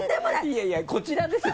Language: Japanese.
いやいやこちらですよ